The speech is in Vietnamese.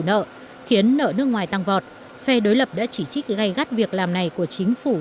nợ khiến nợ nước ngoài tăng vọt phe đối lập đã chỉ trích gây gắt việc làm này của chính phủ